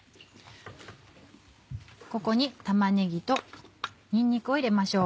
ここに玉ねぎとにんにくを入れましょう。